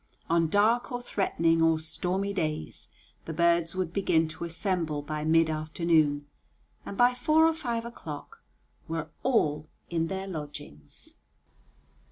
On dark or threatening or stormy days the birds would begin to assemble by mid afternoon, and by four or five o'clock were all in their lodgings.